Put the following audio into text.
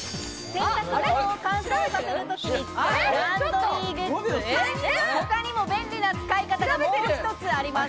洗濯物を乾燥させるときに使うランドリーグッズ、他にも便利な使い方がもう１つあります。